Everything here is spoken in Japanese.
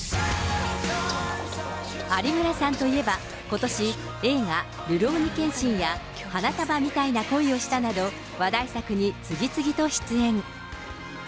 有村さんといえば、ことし、映画、るろうに剣心や花束みたいな恋をしたなど、話題作に次々と出演。